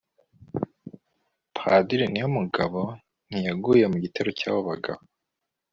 Padiri Niyomugabo ntiyaguye mu gitero cy abo bagabo